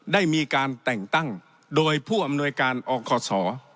ได้มีการแต่งตั้งโดยผู้อำนวยการอคศ